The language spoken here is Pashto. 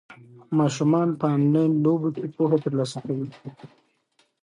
ماشومان په انلاین لوبو کې پوهه ترلاسه کوي.